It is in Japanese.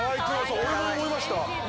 俺も思いました。ね？